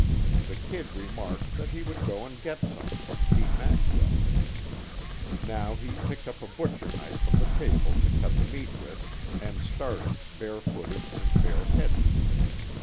The "Kid" remarked that he would go and get some from Pete Maxwell. Now he picked up a butcher knife from the table to cut the meat with, and started, bare footed and bare headed.